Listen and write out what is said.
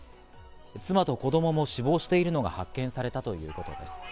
妻と子供も死亡しているのが発見されたということです。